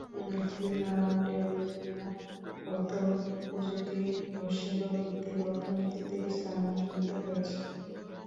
Philadelphia তথ্য প্রযুক্তি ও সেবা ভিত্তিক অর্থনীতিতে স্থানান্তরিত হয়েছে।